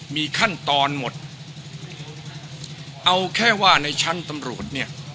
มีขั้นตอนหมดเอาแค่ว่าในชั้นตำรวจเนี่ย